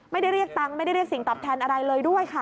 เรียกตังค์ไม่ได้เรียกสิ่งตอบแทนอะไรเลยด้วยค่ะ